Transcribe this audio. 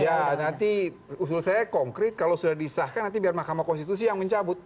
ya nanti usul saya konkret kalau sudah disahkan nanti biar mahkamah konstitusi yang mencabut